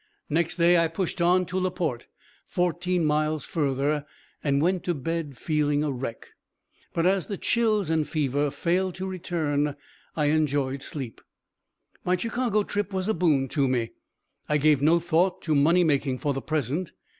Next day I pushed on to La Porte, fourteen miles further, and went to bed feeling a wreck. But as the chills and fever failed to return, I enjoyed sleep. My Chicago trip was a boon to me. I gave no thought to money making for the present.